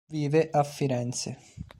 Vive a Firenze.